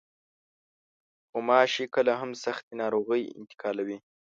غوماشې کله هم سختې ناروغۍ انتقالوي.